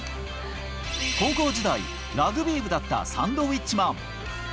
高校時代、ラグビー部だったサンドウィッチマン。